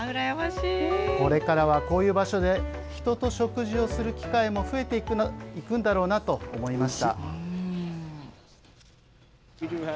これからはこういう場所で人と食事をする機会が増えていくんだろうなと思います。